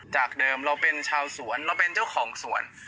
จากเดิมเราเป็นชาวสวนเราเป็นเจ้าของสวน